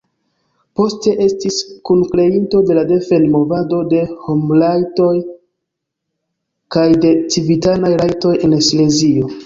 Poste estis kunkreinto de la Defend-Movado de Homrajtoj kaj de Civitanaj Rajtoj en Silezio.